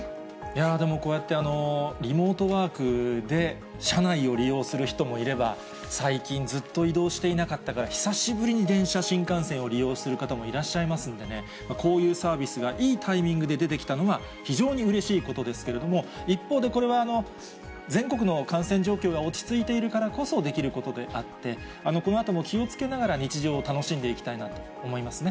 でも、こうやってリモートワークで車内を利用する人もいれば、最近ずっと移動していなかったから、久しぶりに電車、新幹線を利用する方もいらっしゃいますんでね、こういうサービスがいいタイミングで出てきたのが、非常にうれしいことですけれども、一方で、これは全国の感染状況が落ち着いているからこそできることであって、このあとも気をつけながら日常を楽しんでいきたいなと思いますね。